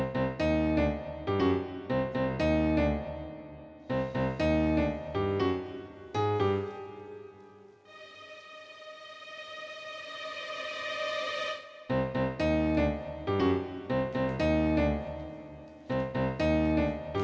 tes udah tidur belum